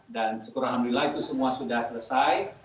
dan syukur alhamdulillah itu semua selesai